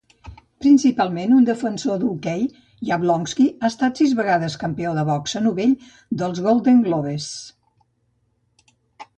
Principalment un defensor d'hoquei, Yablonski ha estat sis vegades campió de boxa novell dels Golden Gloves.